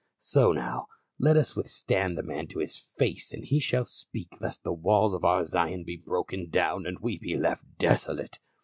So now let us withstand the man to his face as he shall speak, lest the walls of our Zion be broken down and we be left desolate."